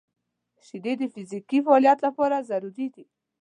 • شیدې د فزیکي فعالیت لپاره ضروري دي.